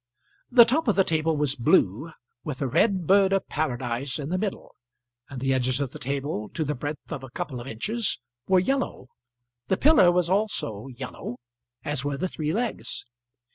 The top of the table was blue, with a red bird of paradise in the middle; and the edges of the table, to the breadth of a couple of inches, were yellow. The pillar also was yellow, as were the three legs.